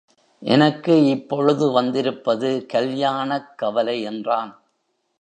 எனக்கு இப்பொழுது வந்திருப்பது கல்யாணக் கவலை என்றான்.